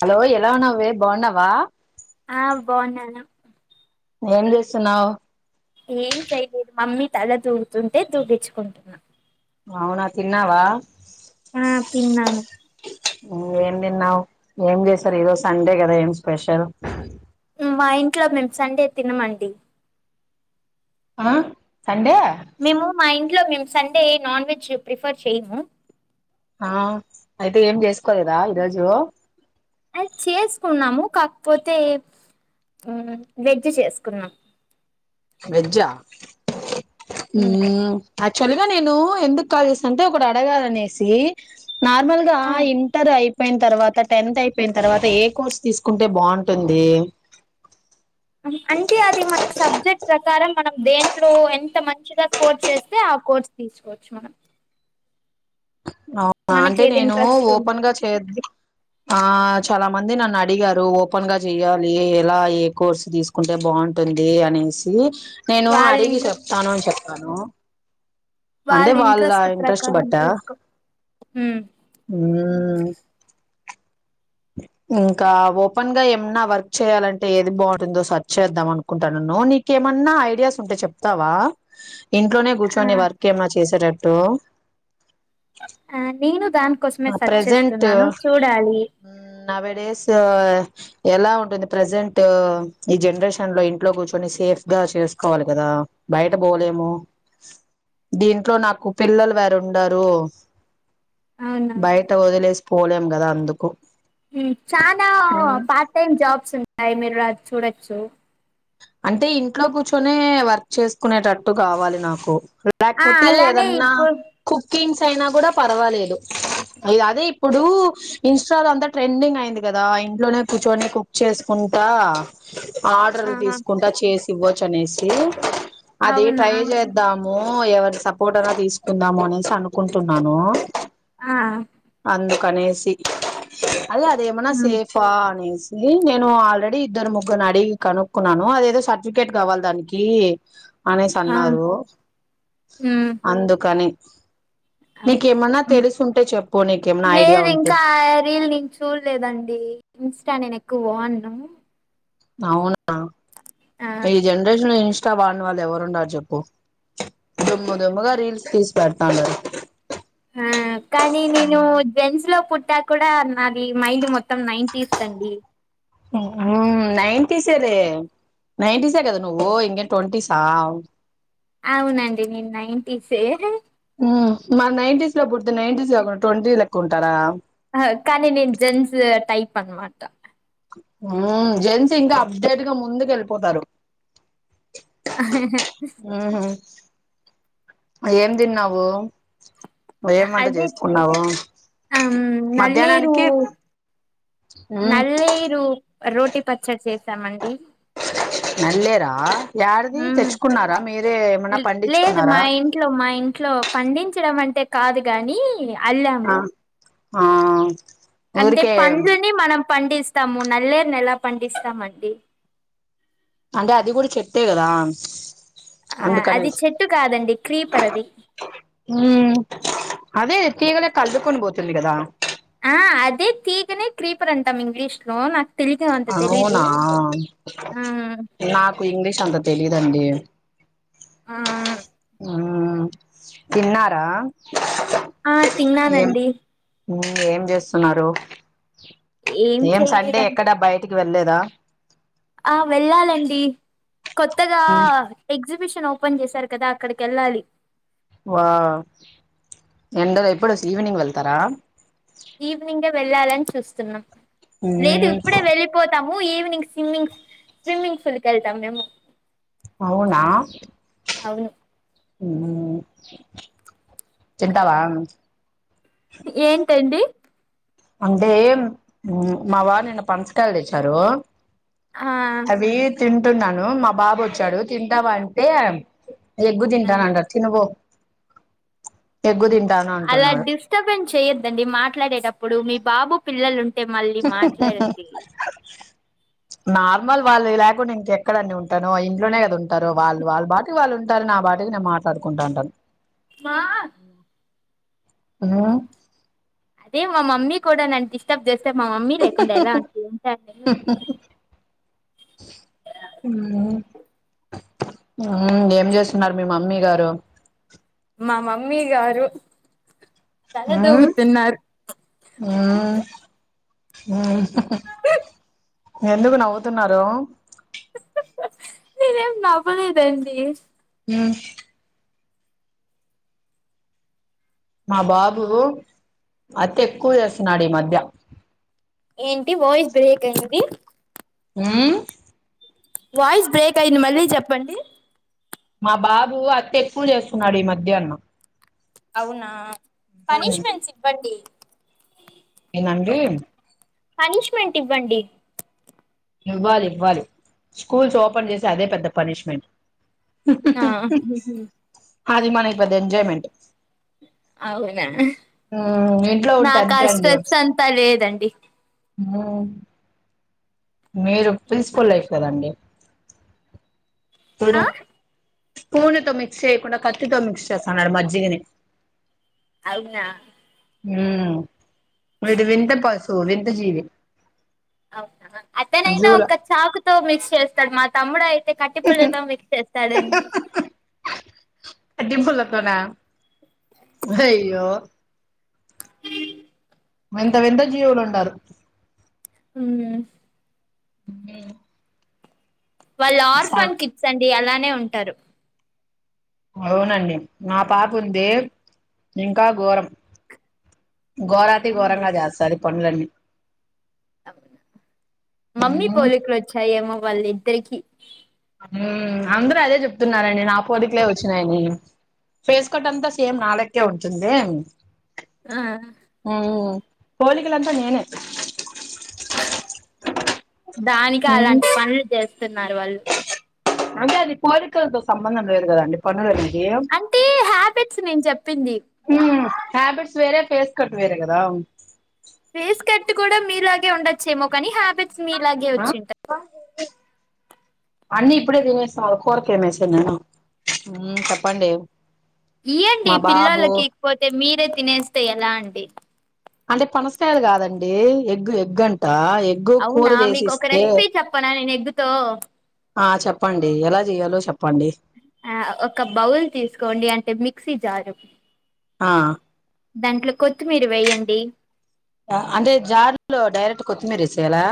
Hello ఎలా ఉన్నావే బన్నవా ఆ బాగున్నాను ఏం చేస్తున్నావ్ ఏం చేయలేదు మమ్మీ తల దూవుతుంటే దూవిన్చుకుంటున్నా అవునా తిన్నావా ఆ తిన్నాను ఏం తిన్నావ్ ఏం చేసరు ఈరోజు సండే కద ఏం స్పెషల్ మా ఇంట్లో మేము సండే తినమండి ఆ సండే మేము మా ఇంట్లో మేము సండే నాన్ వెజ్ ప్రిఫెర్ చేయము ఆ అయితే ఏం చేసు కాలేదా ఈరోజు అది చేసుకున్నాము కాకపోతే వెజ్ చేసుకున్నాం వేజ్జా హమ్ యాక్చువల్ గా నేను ఎందుకు కాల్ చేసాన అంటే ఒకటి అడగాలనేసి నార్మల్ గా ఆ ఇంటర్ అయి అ పోయిన తర్వాత టెన్త్ అయిపోయిన తర్వాత ఏ కోర్స్ తీసుకుంటే బాగుంటుంది అంటె అది మాన్ సబ్జెక్ట్ ప్రకారం మనం దేంట్లో ఎంత మంచిగా కోర్స్ చేస్తే ఆ కోర్స్ తీసుకోవచ్చు మనం అవునా మనకి అంటే ఏది నేను ఇంట్రెస్ట్ ఉంది ఓపెన్ గా చేరీ ఆ చాలా మంది నన్ను అడిగారు ఓపెన్ గా చెయ్యాలి ఎలా ఏ కోర్సు తీసుకుంటే బాగుంటుంది అనేసి నేను వాళ్ళ అడిగి ఇంట్రెస్ట్ చెప్తాను అని చెప్పా అను అంటే వాళ్ళ ఇంట్రెస్ట్ బట్టా హమ్ ఇంకా ఓపెన్ గా ఏమన్నా వర్క్ చేయాలంటే ఏది బాగుంటుందో సర్చ్ చేద్దాం అనుకుంటానన్ను నీకేమన్నా ఐడియాస్ ఉంటే చెప్తావా ఇంట్లోనే కూర్చొని ఆ వర్క్ ఏమన్నా చేసేట తో ఆ నేను దాని కోసమే మె సర్చ్ ప్రెజెంట్ చేస్తున్నాను చూడాలి నవే డేస్ ఎలా ఉంటుంది ప్రజెంట్ ఈ జనరేషన్ లో ఇంట్లో కూర్చొని సేఫ్గా చేసుకోవాలి కదా బయట పోలేము దీంట్లో నాకు పిల్లలు వారు ఉండారు అవునా బయట వొదిలేసి పోలేం కదా అందుకు చానా ఉమ్ పార్ట్ టైమ్ జాబ్ స్ ఉన్నాయి మీరు రా చూడొచ్చు అంటే ఇంట్లో కూర్చొనే వర్క్ చేసుకునేటట్టు కావాలి నాకు ఆ లాకపోతే అలానే ఏదన్నా ఇప్పుడు కుకింగ్స్ అయినా కూడా పర్వాలేదు ఇ అదే ఇప్పుడు ఇన్స్టాలో అంతా ట్రెండింగ్ అయింది కదా ఇంట్లోనే కూర్చొని కుక్ చేసుకుంటా ఆ ఆర్డర్లు తీసు చేసి ఇవ్వచ్చు అనేసి అది అవునా ట్రై చేద్దాము ఎవరి సపోర్ట్ అయినా తీసుకుందాము అనేసి అనుకుంటున్నానూ అ కనేసి అదే అదేమనా ఉమ్, సేఫా అనేసి ఇది నేను ఆల్రెడీ ఇద్దరు ముగ్గురు అడిగి కనుక్కున్నాను అదేదో సర్టిఫికేట్ కావాలి దానికీ అనేసి ఆ అన్నారూ మ్మ్ అందుకని నీకేమన్నా తెలుసుంటే చెప్పు నీకేమన్నా ఐడియా లేదు ఉంటే ఇంకా రీల్ నేను చూడలేదండి ఇన్స్టా నేను ఎ క్వాన్నము అవున ఈ జనరేషన్లో ఇ ష్టా వున్న వాళ్ళు ఎవరున్నారు చెప్పు దుమ్ము దుమ్ముగా రీల్స్ తీ పెడతాండారు ఆ కానీ నేను జెంట్స్ లో పుట్టా కూడా నాది మైండ్ మొత్తం నైన్టీస్ దండి నైన్టీసెలే నైన్టీసే కదా నువ్వు ఇంగే ట్వంటీసా అవునండి నేన్ నైన్టీసే హ్మ్ మరి నైన్టీస్ లో బు ద నైన్టీస్ కాక ట్వంటీ లెక్క ఉంటారా పనమట్ట హ్మ్ జెన్స్ ఇంకా అప్డేట్ గా ముందుకు వెళ్ళిపోతారు ఆహ్ ఆహ్ మ్మ్ ఏం దిన్వావు అదె ఆమ్ నల్లేరు మధ్యాహ్నానికి మ్మ్ నల్లేరు రోటి పచ్చడి చేశామండి నల్లేరా యాడిది ఊ తెచ్చుకున్నారా మీరే ఏమన్నా లేదు పండించుకున్నారా మా ఇంట్లో మా ఇంట్లో పండించటం అంటే తే కాదు గాని అల్లాము అ ఆ అంటే ఊరికే పండ్లని మనం పండిస్తాము నల్లేరు ఎలా పండిస్తామండి అంటె అది కూడా చెట్టే కదా ఆ అది అందుకనేసి చెట్టు కాదండి క్రీపర్ అది ఈగల కట్టుకొని పోతుంది కదా ఆ అదే తీగనే క్రీపరంటామ్ ఇంగ్లీష్ లో నా అవునా ఆ నాకు ఇంగ్లీష్ అంత తెలీదండి ఆ ఉమ్ తిన్నారా ఆ ఏం తిన్నానండి ఏం చేస్తున్నారు ఏం సండే ఎక్కడా బయటికి వెళ్లేదు అదా ఆ వెళ్ళాలండి కొత్తగా ఎగ్జిబిషన్ ఓపెన్ చేశారు కదా అక్కడికి వెళ్ళాలి వా ఎండ ఎప్పుడు వ ఈవినింగ్ వెళ్తారా ఈవినింగే వెళ్ళాలని చూస్తున్నాం లేదు మ్మ్ ఇప్పుడే వెళ్ళిపోతాము ఈవనింగ్ స్విమ్మింగ్ స్విమ్మింగ్ ఫుల్ క వెళ్తాం మేము అవునా అవును ఊ చింతవా ఏన్టండు అంటే మా వారు నిన్న పనసకాయలు తెచ్చారు ఆ అవి తింటున్నాను మా బాబు వచ్చాడు తింటావా అంటే ఎగ్గు ఆ తింటాన అంటారు తినువో ఎగ్గు దింపో అలా డిస్టర్బెన్స్ చేయొద్దండి మాట్లాడేటప్పుడు మీ బాబు పిల్లలు ఉం నార్మల్ వాళ్ళు లేకుండా ఇంకెక్కడ అన్ని ఉంటాను ఇంట్లోనే కద ఉంటారు వాళ్ళు వాళ్ళ పాటికి వాళ్ళు ఉంటారు నా పాటికి నేను మాట్లాడుకుంటా ఉంటాను. మా కొన్నవా అదే మా మమ్మి కూడా నన్ను డిస్టర్బ్ చేస్తు స్తే మా మమ్మీ లేకుండా ఎలా అండి ఉంటాండి. ఉం ఏం చేస్తున్నారు మీ మమ్మీ గారు. మా మమ్మీ గారు మ్మ్ తలదువ్వు తున్నారు. మ్మ్ ఎందుకు నవ్వుతున్నారు. నేనేం నవ్వలేదండి. ఉమ్ మా బాబు అతి ఎక్కువ చేస్తున్నాడు ఈ మధ్య. ఏంటి వాయిస్ బ్రేక్ అయ్యింది. ఉం వాయిస్ బ్రేక్ అయ్యింది మళ్ళీ చెప్పండి మా బాబు అతి ఎక్కువ చేస్తున్నాడు ఈ మధ్య అవునా పనిష్మెంట్స్ ఇవ్వండి. నేనండి పనిష్మెంట్ ఇవ్వండి. ఇవ్వాలి ఇవ్వాలి స్కూల్స్ ఓపెన్ చేసే అదే పెద్ద పనిష్మెంట్ ఆ అది మన ఇప్పు అది ఎంజాయ్మెంట్ అవునా మ్మ్ ఇంట్లో ఉంటే నాకు ఆ అంతే స్ట్రెస్ అంతా లేదండి. ఇ మ్మో మీరు ఒప్పేస్కాలే కదండి. ఆ స్పూన్ తో మిక్స్ చేయకుండా కద కత్తి తో మిక్స్ చేస్తున్నారు మజ్జిగని అవునా ఉమ్మ్ వీడు వింత పశువు వింత్ [unintelligible] జీవి అతనైనా జూల ఒక చాకుతో మిక్స్ చేస్తాడు మొత్ తమ్ముడైత్ అంతే కట్టే పుల్లతో మిక్స్ చేస్తాడండి. అగ్గి బుల్ల తోన అయ్యో హ [inaudible] వింత వింత జీవులు ఉండరు హ్మ్ హ్మ్ వళ్ల్ ఆర్ఫన్ కిట్స్ అంట్ ఏ అలానే ఉంటరు అవునండి నా పాపు ఉంది ఇంకా ఘోరం ఘోరాతి అవును ఘోరంగా చేస్తాది పనులన్ని మమ్మీ మ్మ్ పోలికలు వచ్చాయేమో వాళ్ళిద్దరికి హ్మ్ అందరూ అదే చెప్తున్నారండి నా పోలికలే వచ్చినాయని ఫేస్ కట్ అంతా సేమ్ నాలక్కే ఉంటుందే. ఆ హ్మ్ పోలికలంతా నేనే దానికి మ్మ్ అలాంటి పనులు చేస్తద్ న్నర్ వళ్ళు అంటే అది కోరికలతో సంబంధం లేేదు కదాండి పనులవి ఏమ్ అంటే హ్యాబిట్స్ నేను చెప్పింది హ్మ్ హేబిట్స్ వేరే ఫేస్ కట్ వేరే కదా ఫేస్ కట్ కూడా మీలాగే ఉండచ్చేమో కానీ హ్యాబిట్ త్స్ మీలాగే ఆ వచ్చింటయ్ అన్నీ ఇప్పుడే తినేసాం కూరకు ఏమేసేద్ నేను హ్మ్ చెప్పండి ఇయ్యండి మా బాబు పిల్లలకి ఈక్ పోతే మీరే తినేస్తే ఎలా అండి అంటే పనసకాయలు కాదండి ఎగ్ ఎగ్గంట అవునా మీకు ఒక రెసిపీ చెప్పనా నేను ఎగ్గుతో ఆ చెప్పండి ఎలా చేయాలో చెప్పం ఆ ఒక బౌల్ తీసుకోండి అంటే మిక్ క్షీ జార్ ఆ దాంట్లో కొత్తిమీర్ వెయ్యండి అంటే జార్లో డైరెక్ట్ కొత్తిమీర ఏసేయాలా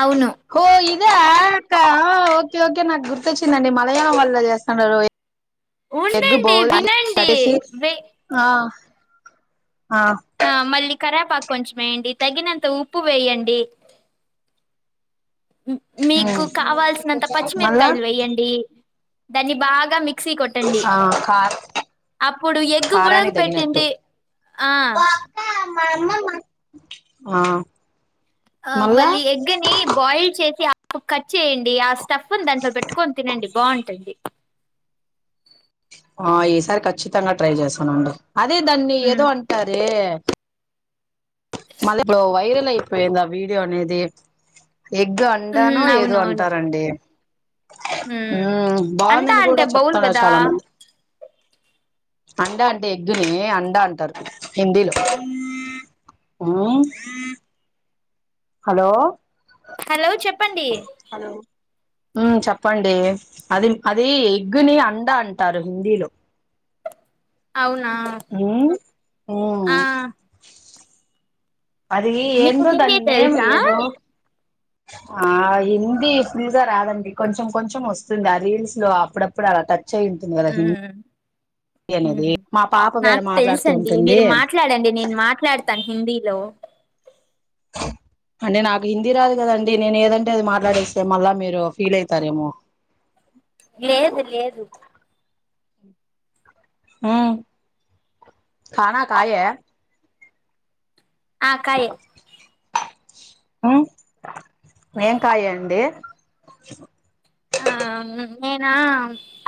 అవును హో ఇద్ అదా అక ఆ ఓకే ఓకే నాకు గుర్తొచ్చిందండి మలయాళం వల్ల చేస్థాండరు ఉండండి వినండి కట్టేసి వే ఆ ఆ ఆ మళ్ళీ కరివేపాకు కొంచెం వేయండి తగినంత ఉప్పు వేయండి మీకు మ్మ్ కావాల్సినంత మళ్ళా పచ్చిమిరకాయలు వేయ్యండి దాన్ని బాగా మీ మిక్సి కొట్టండి ఆ కా అప్పుడు ఎగ్గు ఉడకు కారానికి తగినట్టు పెట్టింది ఆ ఆ ఆ మళ్ళా మళ్ళీ ఎగ్గని బాయిల్ చేసి కట్ చేయండి ఆ స్టఫ్ దాంట్లో పెట్టుకొని తినండి బాగుంటుంది ఆ ఈసారి కఖచ్చితంగా ట్రై చేస్తానండి అదే దాన్ని ఏదో మ్మ్ అంటారే మళ్ ఇప్పుడు వైరల్ అయిపోయింద ఆ వీడియో అనేది ఎగ్ అడానో ఏదో అవునవును అంటారంండి మ్మ్ ఉ అంతా బాగుందని అంటే కూడా బౌల్ చెప్తున్నారు కదా చాలా మంది అండ అంటే ఎగ్గుని అండ అంటారు హిందీలో ఉమ్ హలో హలో చెప్ప హలో ఉ చెప్పండి అది అది ఎగ్గుని అండ అంటారు హిందీలో అవునా ఉమ్ ఉమ్ ఆ అది మీకు ఏందో హిందీ దని నేమ్ తెలుసా ఏదో ఆ హిందీ ఫుల్గా రాదండి కొంచెం కొంచెం వస్తుంది ఆ రీల్స్ లో అప్పుడప్పుడు అలా టచ్ చెల్తే తుమారో హిందీ మ్మ్ అనేది మా పాప వేరే నాకు మాట్లాడుతూ తెలుసండి ఉంటుంది మీరు మాట్లాడండి నేను మాట్లాడుతా హిందీలో అంటే నాకు హిందీ రాదు కదండి నేను ఏదంటే అది మాట్లాడేస్తే మళ్ళా మీరు ఫీల్ అయితారేమో లేదు లేదు హ కానా కాయే ఆ కయ ఏంకాయ అండి ఆ నేనా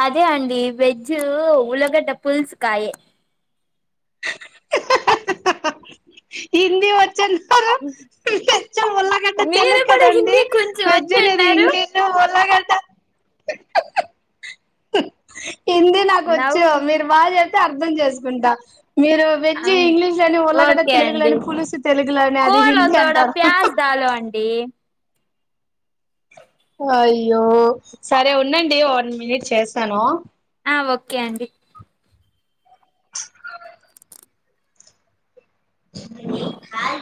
అదే అండి వెజ్ ఉల్లగడ్డ పులుసు కాయ హిందీ వెజ్ ఉల్లగడ్డ మీరు తెలుగు కూడా కదండి హిందీ కొంచెం వెజ్ అనేది వచ్చన్నారు ఇంగ్లీష్ ఉల్లగడ్డ హిందీ నా నవ్ కొచ్చు మీరు బాగా చెప్ ప్తే అర్థం చేసుకుంటా మీరు వెజ్ అవును ఇంగ్లీషులని, ఉల్లగడ్డ ఓకే తెలుగులో అండి అని, పులుసు తెలుగులో అని అది కోలో హిందీ తోడా అంటారు. ప్యాస్ దాలో అండి అయ్యో సరే ఉండండి వన్ మినిట్ చేస్తాను ఆ ఓకే అండి కాల్